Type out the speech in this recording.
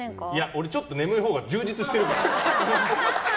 俺ちょっと眠いほうが充実してるから。